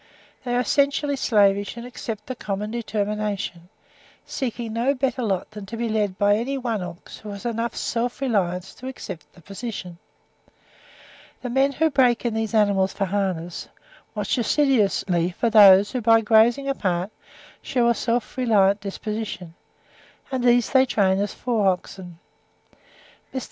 They are essentially slavish, and accept the common determination, seeking no better lot than to be led by any one ox who has enough self reliance to accept the position. The men who break in these animals for harness, watch assiduously for those who, by grazing apart, shew a self reliant disposition, and these they train as fore oxen. Mr.